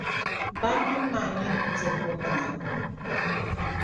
Bannim’ maa n-nyɛ nudirgu nima.